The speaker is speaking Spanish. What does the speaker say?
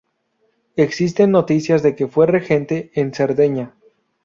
Existen noticias de que fue regente en Cerdeña.